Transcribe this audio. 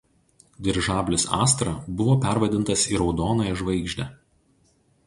Dirižablis „Astra“ buvo pervadintas į „Raudonąją žvaigždę“.